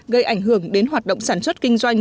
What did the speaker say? gây ảnh hưởng đến hoạt động sản xuất kinh doanh